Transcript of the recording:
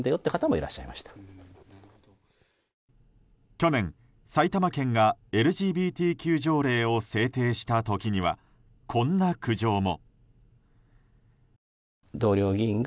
去年、埼玉県がＬＧＢＴＱ条例を制定した時にはこんな苦情も。